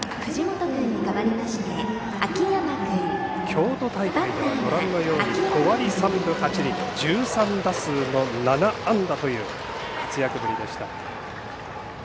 京都大会では５割３分８厘１３打数の７安打という活躍ぶりでした。